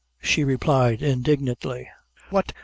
she replied indignantly; "what!